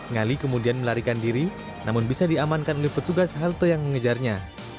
ngali kemudian melarikan diri namun bisa diamankan oleh petugas halte yang mengejarnya